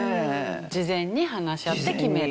事前に話し合って決める。